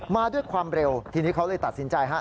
มาด้วยความเร็วทีนี้เขาเลยตัดสินใจฮะ